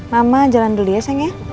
nama jalan dulu ya sayang ya